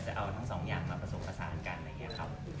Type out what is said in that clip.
จะเอาทั้งสองอย่างมาผสมผสานกันอะไรอย่างนี้ครับ